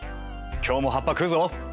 今日も葉っぱ食うぞ！